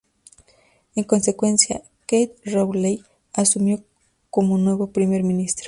En consecuencia, Keith Rowley asumió como nuevo Primer Ministro.